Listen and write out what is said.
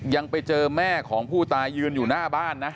ยังไปเจอแม่ของผู้ตายยืนอยู่หน้าบ้านนะ